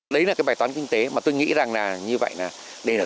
đấy là cái bài toán kinh tế mà tôi nghĩ rằng là như vậy là